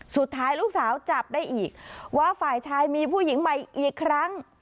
สุดท้ายลูกสาวจับได้อีกว่าฝ่ายชายมีผู้หญิงใหม่อีกครั้ง